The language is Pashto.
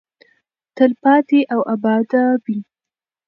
تلپاتې او اباده وي.